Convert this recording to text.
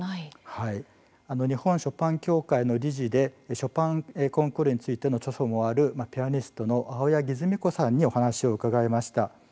日本ショパン協会の理事でショパンコンクールについての著書もあるピアニストの青柳いづみこさんにお話を伺いました。